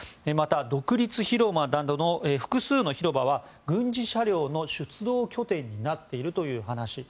また独立広場などの複数の広場は軍事車両の出動拠点になっているという話。